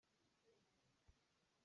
Acangmi van ṭial.